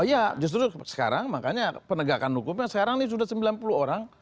ya justru sekarang makanya penegakan hukumnya sekarang ini sudah sembilan puluh orang